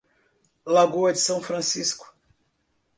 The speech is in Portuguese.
Lagoa de São Francisco